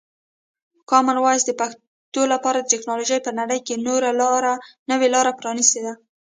کامن وایس د پښتو لپاره د ټکنالوژۍ په نړۍ کې نوې لاره پرانیستې ده.